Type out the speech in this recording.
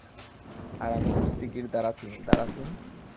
আর আমি কুস্তিগীর দারা সিং, - দারা সিং?